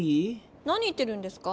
何言ってるんですか？